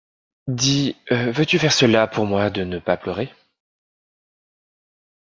Dis, veux-tu faire cela pour moi de ne pas pleurer?